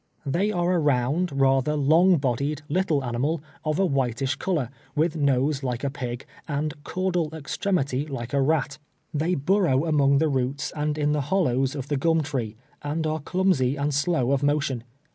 Tliey are a round, rather long bodied, little animal, of a whitish color, with nose like a pig, and caudal extremity like a rat. They burrow among the roots and in the hollows of the gum tree, and are clumsy and slow of motion.